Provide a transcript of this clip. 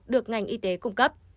được ngành y tế cung cấp